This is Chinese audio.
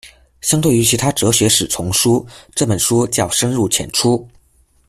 相对于其他哲学史丛书，这本书较深入浅出。